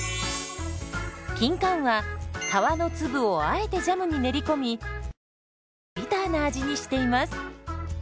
キンカンは皮の粒をあえてジャムに練り込み少しビターな味にしています。